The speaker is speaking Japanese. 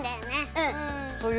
うん。